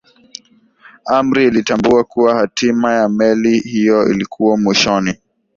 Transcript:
amri ilitambua kuwa hatima ya meli hiyo ilikuwa mwishoni